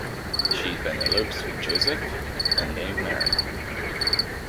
She then elopes with Joseph and they marry.